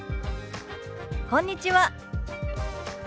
「こんにちは」。